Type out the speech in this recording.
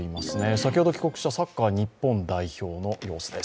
先ほど帰国したサッカー日本代表の様子です。